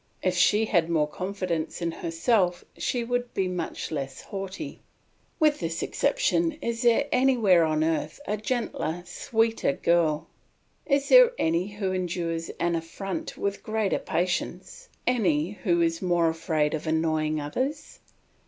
If she had more confidence in herself she would be much less haughty. With this exception is there anywhere on earth a gentler, sweeter girl? Is there any who endures an affront with greater patience, any who is more afraid of annoying others?